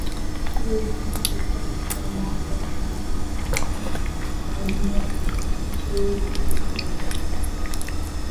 He received his first formal art training at Ardmore Teachers College in Auckland.